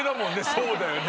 そうだよね。